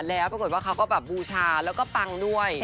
แล้วปรากฏว่าเขาก็แบบบูชาแล้วก็ปังด้วย